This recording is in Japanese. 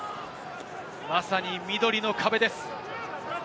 まさに緑の壁です。